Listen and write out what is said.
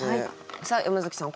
さあ山崎さん